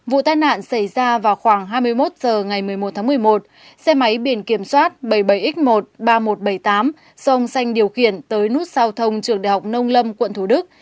vụ tai nạn xảy ra vào khoảng hai mươi một h ngày một mươi một một mươi một xe máy biển kiểm soát bảy mươi bảy x một ba nghìn một trăm bảy mươi tám xong xanh điều khiển tới nút giao thông trường đh nông lâm quận thủ đức